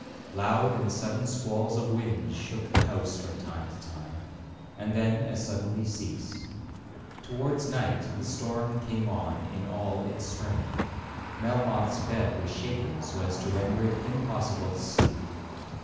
Loud and sudden squalls of wind shook the house from time to time, and then as suddenly ceased. Towards night the storm came on in all its strength; Melmoth's bed was shaken so as to render it impossible to sleep.